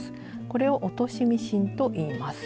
これを「落としミシン」といいます。